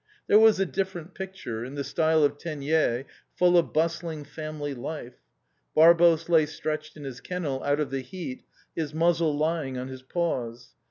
There was a different picture, in the style of Teniers, full of bustling family life. Barbos lay stretched in his kennel out of the heat, his muzzle lying on his paws.